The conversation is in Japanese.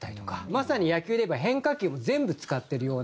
まさに野球でいえば変化球全部使ってるような。